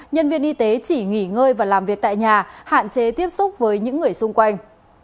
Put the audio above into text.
nhân viên y tế chỉ nghỉ ngơi và làm việc tại nhà hạn chế tiếp xúc với những người xung quanh